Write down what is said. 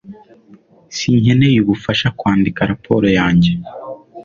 Sinkeneye ubufasha kwandika raporo yanjye